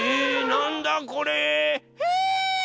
なんだこれ？えっ？